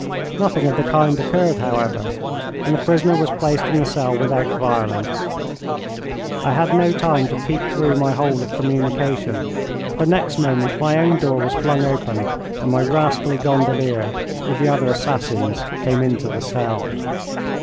Nothing of the kind occurred, however, and the prisoner was placed in the cell without violence. I had no time to peep through my hole of communication, for next moment my own door was flung open and my rascally gondolier, with the other assassins, came into the cell.